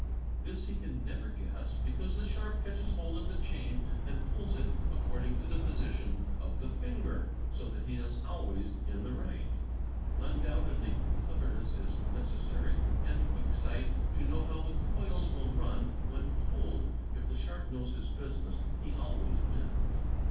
This he can never guess, because the sharp — catches hold of the chain and pulls it according to the position of the SHARPS AND FLATS 829 finger, so that he is always in the right. Undoubtedly cleverness is necessary and quick sight to know how the coils will run when pulled; if the sharp knows his business he always wins.